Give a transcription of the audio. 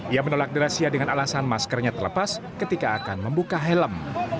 ia menolak di razia dengan alasan maskernya terlepas ketika akan membuka helm